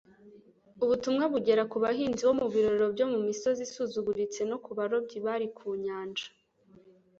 Ubutumwa bugera ku bahinzi bo mu birorero byo mu misozi isuzuguritse, no ku barobyi bari ku nyanja